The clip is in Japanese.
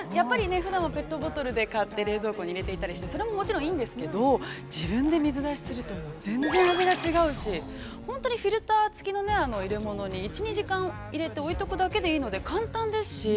ふだんはペットボトルで買って冷蔵庫に入れていたりして、それもいいんですけど、自分で水出しすると、全然味が違うし、本当にフィルターつきの入れ物に１２時間入れておくだけでいいので、簡単ですし。